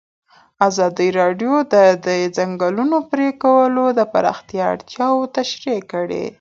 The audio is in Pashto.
ازادي راډیو د د ځنګلونو پرېکول د پراختیا اړتیاوې تشریح کړي.